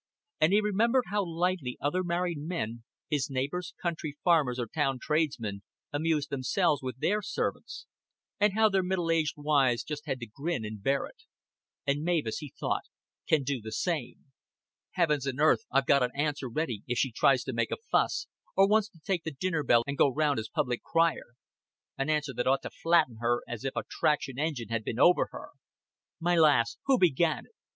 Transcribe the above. and he remembered how lightly other married men, his neighbors, country farmers, or town tradesmen, amused themselves with their servants, and how their middle aged wives just had to grin and bear it. "An' Mavis," he thought, "can do the same. Heavens an' earth, I've got an answer ready if she tries to make a fuss, or wants to take the dinner bell and go round as public crier an answer that ought to flatten her as if a traction engine had bin over her. 'My lass, who began it?